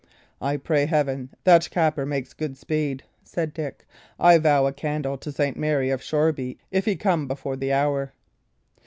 "I pray Heaven that Capper make good speed!" said Dick. "I vow a candle to St. Mary of Shoreby if he come before the hour!"